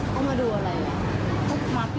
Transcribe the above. เขามาดูอะไร